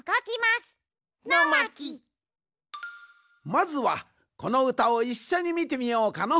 まずはこのうたをいっしょにみてみようかの。